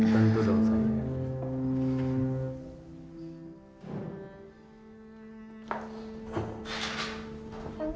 tentu dong sayang